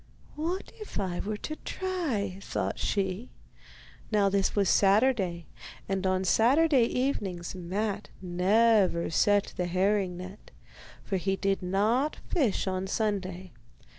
'What if I were to try?' thought she. Now this was Saturday, and on Saturday evenings Matte never set the herring net, for he did not fish on Sunday.